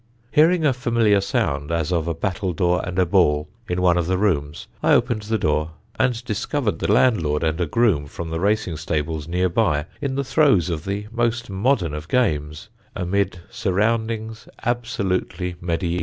Hearing a familiar sound, as of a battledore and a ball, in one of the rooms, I opened the door and discovered the landlord and a groom from the racing stables near by in the throes of the most modern of games, amid surroundings absolutely mediæval.